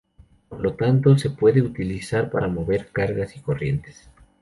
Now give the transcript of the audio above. Por lo tanto, se pueden utilizar para "mover" cargas y corrientes.